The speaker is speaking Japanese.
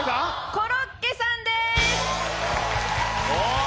コロッケさんです！